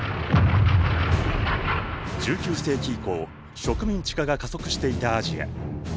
１９世紀以降植民地化が加速していたアジア。